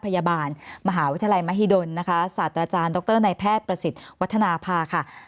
พยาบาลมหาวิทยาลัยมหิดลนะคะศาสตราจารย์ดรในแพทย์ประสิทธิ์วัฒนภาค่ะ